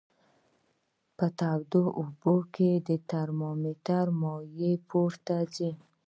په تودو اوبو کې د ترمامتر مایع پورته ځي.